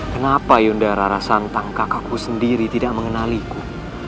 kenapa yundara rasantang kakakku sendiri tidak mengenaliku